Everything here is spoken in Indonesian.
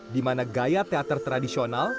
di mana gaya teater tradisional